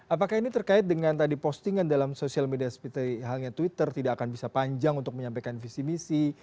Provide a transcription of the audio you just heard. apakah ini terkait dengan tadi postingan dalam sosial media seperti halnya twitter tidak akan bisa panjang untuk menyampaikan visi misi